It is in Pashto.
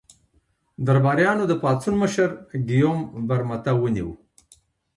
درباریانو د پاڅون مشر ګیوم برمته ونیو.